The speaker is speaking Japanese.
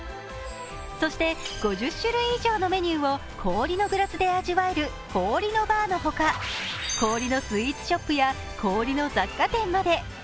そして５０種類以上のメニューを氷のグラスで味わえる氷のＢａｒのほか氷のスイーツショップや氷の雑貨店まで。